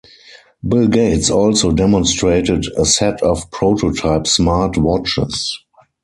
Bill Gates also demonstrated a set of prototype smart watches.